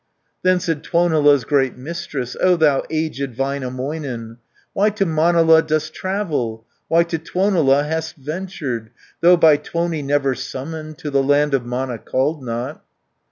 Then said Tuonela's great mistress, "O thou aged Väinämöinen, Why to Manala dost travel, Why to Tuonela hast ventured, Though by Tuoni never summoned, To the land of Mana called not?"